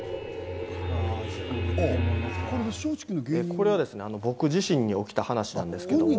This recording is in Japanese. これはですね、僕自身に起きた話なんですけど。